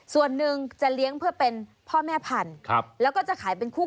ส่วนหนึ่งจะเลี้ยงเพื่อเป็นพ่อแม่พันธุ์แล้วก็จะขายเป็นคู่